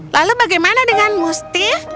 lalu bagaimana dengan mustiff